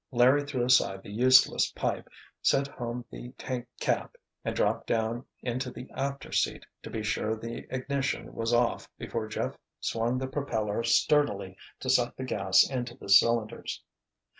Larry threw aside the useless pipe, sent home the tank cap and dropped down into the after seat to be sure the ignition was off before Jeff swung the propeller sturdily to suck the gas into the cylinders.